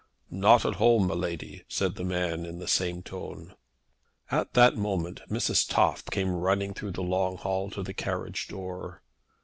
"Not at home, miladi," said the man, in the same tone. At that moment Mrs. Toff came running through the long hall to the carriage door.